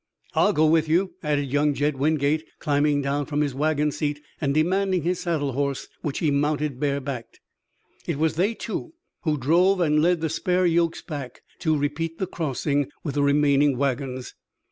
"I'll go with you," added young Jed Wingate, climbing down from his wagon seat and demanding his saddle horse, which he mounted bare backed. It was they two who drove and led the spare yokes back to repeat the crossing with the remaining wagons.